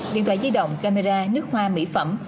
điện thoại di động camera nước hoa mỹ phẩm